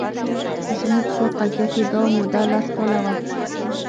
زموږ په قضیه کې دا موده لس کاله وه